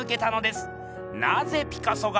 なぜピカソが。